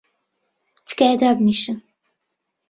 تکایە دابنیشن!